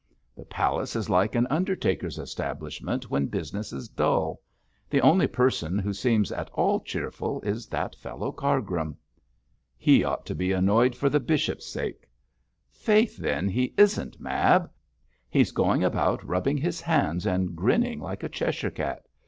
The palace is like an undertaker's establishment when business is dull. The only person who seems at all cheerful is that fellow Cargrim.' 'He ought to be annoyed for the bishop's sake.' 'Faith, then, he isn't, Mab. He's going about rubbing his hands and grinning like a Cheshire cat.